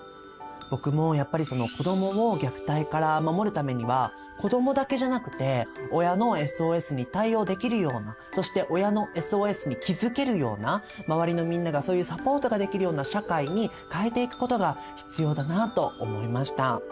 僕もやっぱり子どもを虐待から守るためには子どもだけじゃなくて親のＳＯＳに対応できるようなそして親のＳＯＳに気付けるような周りのみんながそういうサポートができるような社会に変えていくことが必要だなと思いました。